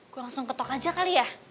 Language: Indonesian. gue langsung ketok aja kali ya